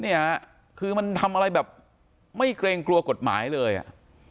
เนี่ยคือมันทำอะไรแบบไม่เกรงกลัวกฎหมายเลยอ่ะ